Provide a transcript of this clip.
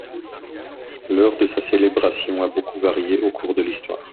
L'heure de sa célébration a beaucoup varié au cours de l'histoire.